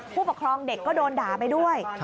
ผู้ปกครองเด็กก็โดนด่าไปด้วย